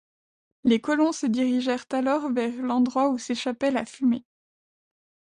Les colons se dirigèrent alors vers l’endroit d’où s’échappait la fumée.